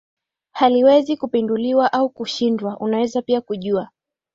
haliwezi kupinduliwa au kushindwa Unaweza pia kujua